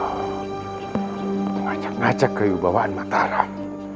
mengajak ajak kewibawaan bataram